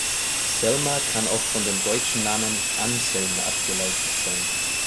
Selma kann auch von dem deutschen Namen Anselm abgeleitet sein.